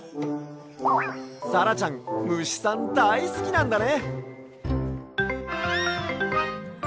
さらちゃんムシさんだいすきなんだね。